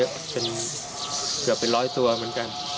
แค่กลางถึงเกือบเป็น๑๐๐ตัวเหมือนกัน